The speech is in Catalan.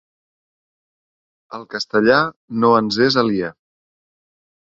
El castellà no ens és aliè.